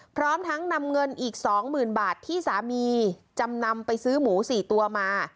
พร้อมทั้งนำเงินอีก๒๐๐๐บาทที่สามีจำนำไปซื้อหมู๔ตัวมา